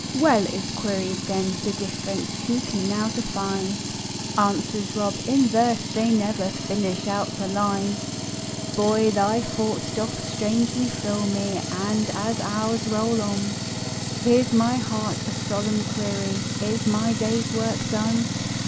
"Well," is queried then, "the difference Who can now define?" Answers Rob: "In verse they never Finish out the line!" Boy, thy thought doth strangely thrill me, And as hours roll on, Hears my heart a solemn query: Is my day's work done?